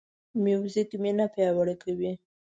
موزیک مینه پیاوړې کوي.